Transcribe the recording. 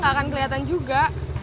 gak akan keliatan juga